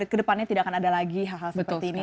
kedepannya tidak akan ada lagi hal hal seperti ini